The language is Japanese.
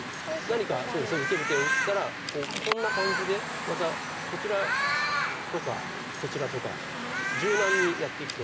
何か受ける手を打ったらこんな感じでまたこちらとかこちらとか柔軟にやっていくと。